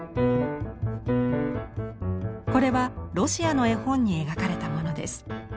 これはロシアの絵本に描かれたものです。